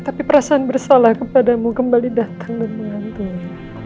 tapi perasaan bersalah kepadamu kembali datang dan mengantungi